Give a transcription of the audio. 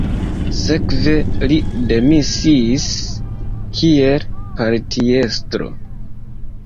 Sekve li demisiis kiel partiestro.